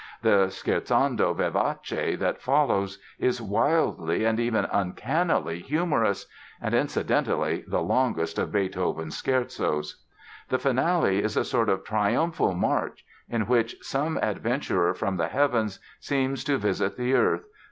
The "Scherzando vivace" that follows is wildly and even uncannily humorous—and, incidentally, the longest of Beethoven's scherzos. The Finale is a sort of triumphal march in which "some adventurer from the heavens seems to visit the earth